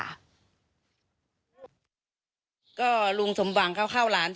แล้วนี่คือเลขทะเบียนรถจากรยานยนต์